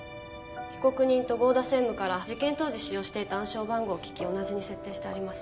被告人と剛田専務から事件当時使用していた暗証番号を聞き同じに設定してあります